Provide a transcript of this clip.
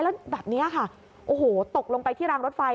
แล้วแบบนี้ค่ะโอ้โหตกลงไปที่รางรถไฟ